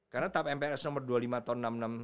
karena tap mprs nomor dua puluh lima tahun enam puluh enam